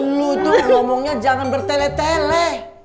dulu tuh ngomongnya jangan bertele tele